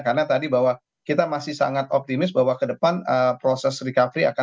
karena tadi bahwa kita masih sangat optimis bahwa kedepan proses recovery akan terjadi